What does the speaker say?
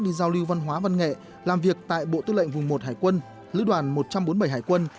đi giao lưu văn hóa văn nghệ làm việc tại bộ tư lệnh vùng một hải quân lữ đoàn một trăm bốn mươi bảy hải quân